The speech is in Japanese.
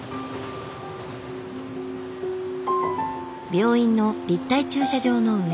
病院の立体駐車場の上。